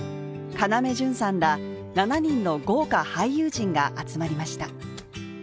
要潤さんら７人の豪華俳優陣が集まりました。